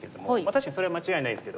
確かにそれは間違いないですけど。